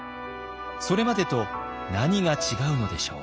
それまでと何が違うのでしょう？